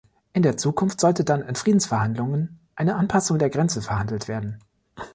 In der Zukunft sollte dann in Friedensverhandlungen eine Anpassung der Grenze verhandelt werden.